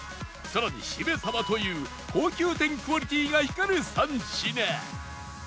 さらに〆さばという高級店クオリティーが光る３品